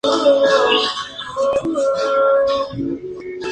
Asientos tipo estadio con espacio suficiente para la comodidad del espectador.